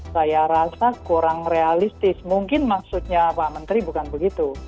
saya rasa kurang realistis mungkin maksudnya pak menteri bukan begitu